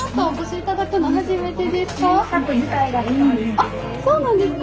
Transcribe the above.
あっそうなんですね。